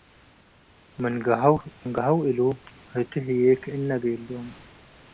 ምን ገሀው እሉ ህቱ ህዬ ክእና ቤ’ሎም።-